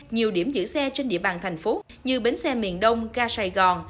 nhiều điểm giữ xe trên địa bàn thành phố như bến xe miền đông ga sài gòn